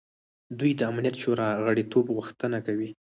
دوی د امنیت شورا د غړیتوب غوښتنه کوي.